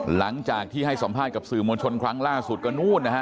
หลังจากที่ให้สัมภาษณ์กับสื่อมวลชนครั้งล่าสุดก็นู่นนะฮะ